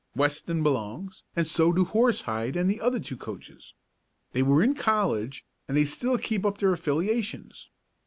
Weston belongs and so do Horsehide and the other two coaches. They were in college, and they still keep up their affiliations.